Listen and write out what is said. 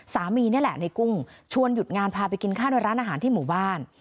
นี่แหละในกุ้งชวนหยุดงานพาไปกินข้าวในร้านอาหารที่หมู่บ้าน